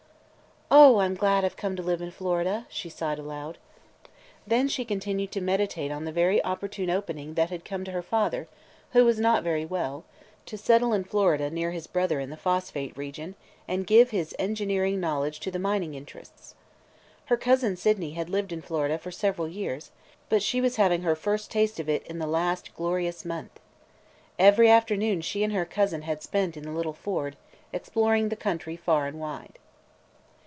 "Oh, I 'm glad I 've come to live in Florida!" she sighed aloud. Then she continued to meditate on the very opportune opening that had come to her father, who was not very well, to settle in Florida near his brother in the phosphate region and give his engineering knowledge to the mining interests. Her cousin Sydney had lived in Florida for several years, but she was having her first taste of it in the last glorious month. Every afternoon she and her cousin had spent in the little Ford, exploring the country far and wide.